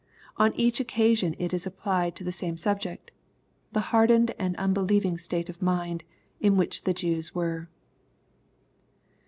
On each occasion it is applied to the same subject, the hardened and unbelieving state of mind, in which the Jews were.